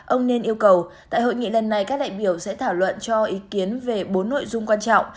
ông nên yêu cầu tại hội nghị lần này các đại biểu sẽ thảo luận cho ý kiến về bốn nội dung quan trọng